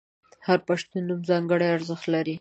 • هر پښتو نوم ځانګړی ارزښت لري.